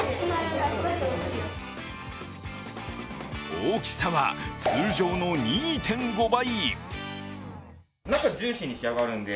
大きさは通常の２．５倍。